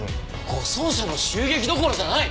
護送車の襲撃どころじゃない！